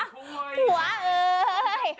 เหอวะหัวเห้ย